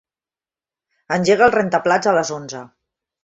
Engega el rentaplats a les onze.